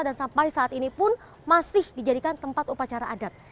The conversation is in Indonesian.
dan sampai saat ini pun masih dijadikan tempat upacara adat